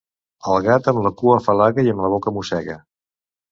El gat amb la cua afalaga i amb la boca mossega.